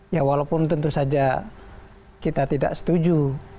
ya walaupun tentu saja kita tidak setuju